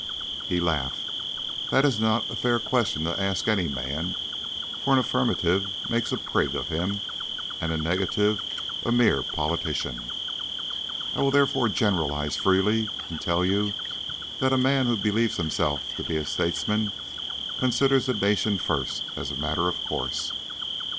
He laughed. "That is not a fair question to ask any man, for an affirmative makes a prig of him and a negative a mere politician. I will therefore generalize freely and tell you that a man who believes himself to be a statesman considers the nation first, as a matter of course.